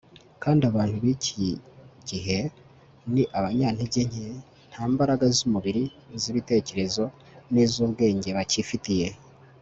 kandi abantu b'iki gihe ni abanyantegenke, nta mbaraga z'umubiri, iz'ibitekerezo n'iz'ubwenge bakifitiye